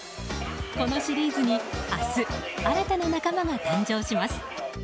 このシリーズに、明日新たな仲間が誕生します。